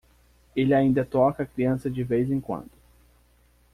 Ele ainda toca a criança de vez em quando.